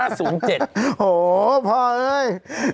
โอ้โฮพอเลย